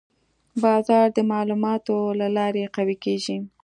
بازار د معلوماتو له لارې قوي کېږي.